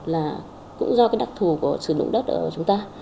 là cũng do cái đặc thù của sử dụng đất ở của chúng ta